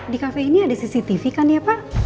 di kafe ini ada cctv kan ya pak